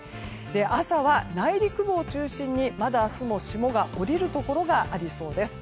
朝は内陸部を中心にまだ明日も霜が降りるところもありそうです。